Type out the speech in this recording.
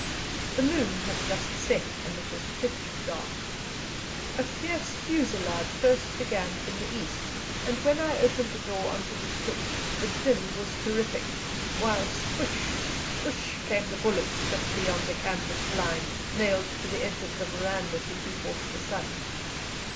The moon had just set, and it was pitch dark. A fierce fusillade first began from the east, and when I opened the door on to the stoep the din was terrific, while swish, swish, came the bullets just beyond the canvas blinds, nailed to the edge of the verandah to keep off the sun.